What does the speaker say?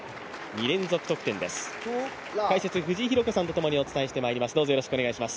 解説は藤井寛子さんとともにお伝えしていきます。